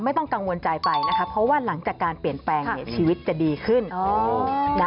ไม่ต้องกังวลใจไปนะคะเพราะว่าหลังจากการเปลี่ยนแปลงชีวิตจะดีขึ้น